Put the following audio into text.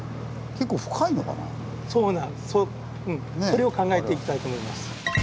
それを考えていきたいと思います。